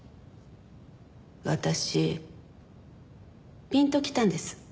私ピンときたんです。